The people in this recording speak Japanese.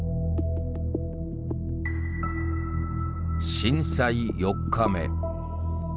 震災４日目。